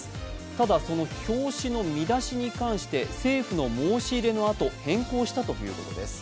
ただ、その表紙の見出しに関して政府の申し入れのあと変更したということです。